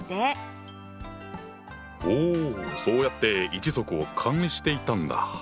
おおそうやって一族を管理していたんだ。